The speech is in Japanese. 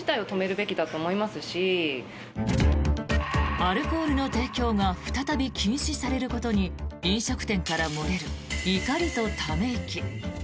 アルコールの提供が再び禁止されることに飲食店から漏れる怒りとため息。